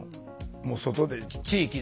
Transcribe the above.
もう外で地域でね。